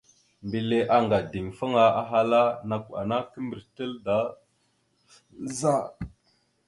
Mbile anga ideŋfaŋa, ahala: « Nakw ana kimbrec naɗ da za? ».